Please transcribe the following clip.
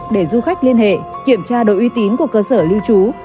để du khách liên hệ kiểm tra độ uy tín của cơ sở lưu trú